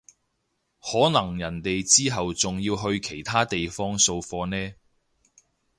可能人哋之後仲要去其他地方掃貨呢